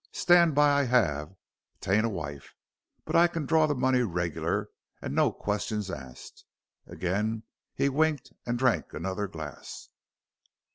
Stand by, I have t'ain't a wife, but I can draw the money regular, and no questions asked." Again he winked and drank another glass.